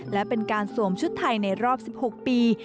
และเป็นการสวมชุดไทยในรอบ๑๖ปี